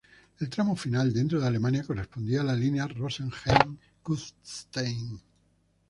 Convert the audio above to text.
El tramo final dentro de Alemania corresponde a la línea "Rosenheim-Kufstein".